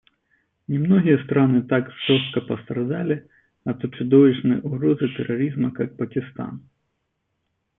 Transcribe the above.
Немногие страны так жестоко пострадали от чудовищной угрозы терроризма, как Пакистан.